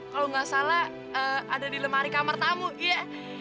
kalau nggak salah ada di lemari kamar tamu ya